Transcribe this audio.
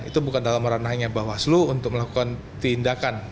itu bukan dalam ranahnya bawaslu untuk melakukan tindakan